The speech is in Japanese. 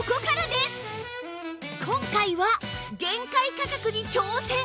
今回は限界価格に挑戦